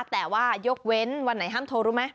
แต่ว่ายกเว้นวันไหนห้ามโทรรู้ไหม